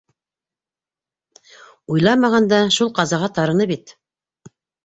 Уйламағанда шул ҡазаға тарыны бит!